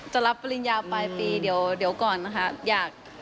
จะรับสมภัยปลายปีเดี๋ยวค่ะ